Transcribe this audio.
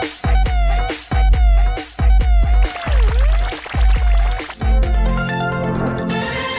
สวัสดีครับ